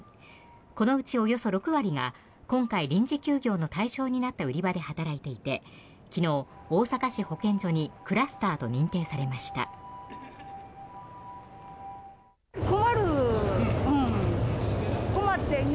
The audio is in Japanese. このうちおよそ６割が今回、臨時休業の対象となった売り場で働いていて昨日、大阪市保健所にクラスターと認定されました。